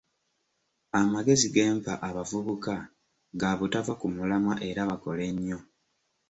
Amagezi gempa abavubuka ga butava ku mulamwa era bakole nnyo.